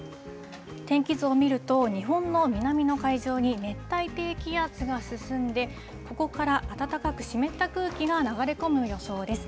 天気図を見ると、日本の南の海上に熱帯低気圧が進んで、ここから暖かく湿った空気が流れ込む予想です。